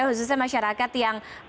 khususnya masyarakat yang